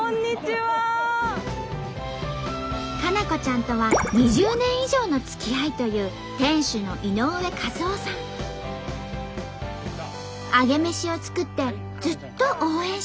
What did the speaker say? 佳菜子ちゃんとは２０年以上のつきあいという店主のアゲメシを作ってずっと応援してきました。